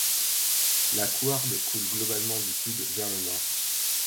La Couarde coule globalement du sud vers le nord.